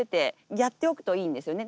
やっておくといいんですよね。